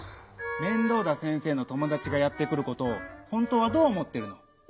面倒田先生のともだちがやってくることをほんとはどうおもってるの？